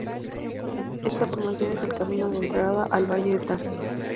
Esta formación es el camino de entrada al Valle de Tafí.